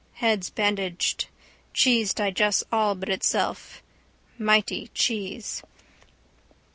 Heads bandaged. Cheese digests all but itself. Mity cheese.